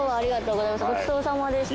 ごちそうさまでした。